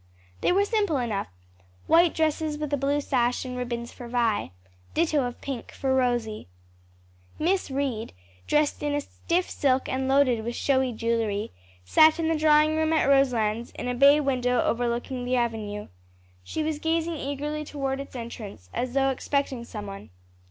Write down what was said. They were simple enough; white dresses with blue sash and ribbons for Vi, ditto of pink for Rosie. Miss Reed, dressed in a stiff silk and loaded with showy jewelry, sat in the drawing room at Roselands in a bay window overlooking the avenue. She was gazing eagerly toward its entrance, as though expecting some one.